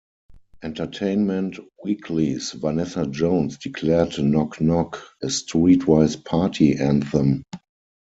"Entertainment Weekly"s Vanessa Jones declared "Knock Knock" a "streetwise party anthem.